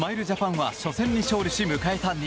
ジャパンは初戦に勝利し迎えた